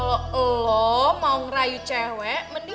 lu orang lalu udah nganggi